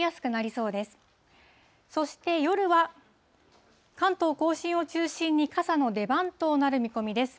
そして夜は、関東甲信を中心に傘の出番となる見込みです。